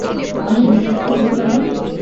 আমি বিশ্বাস করব কেন?